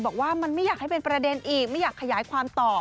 บอกว่ามันไม่อยากให้เป็นประเด็นอีกไม่อยากขยายความต่อ